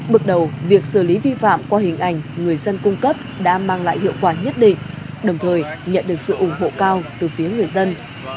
bước đầu việc xử lý vi phạm qua hình ảnh người dân cung cấp đã mang lại hiệu quả nhất định đồng thời nhận được sự ủng hộ cao từ phía người dân